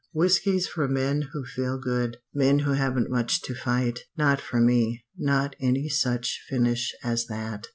Whiskey's for men who feel good; men who haven't much to fight. Not for me not any such finish as that.